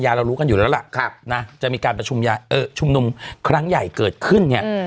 เรารู้กันอยู่แล้วล่ะจะมีการประชุมชุมนุมครั้งใหญ่เกิดขึ้นเนี่ย